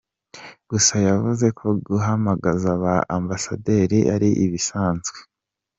Gusa yavuze ko guhamagaza ba ambasaderi ari ibisanzwe.